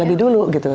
lebih dulu gitu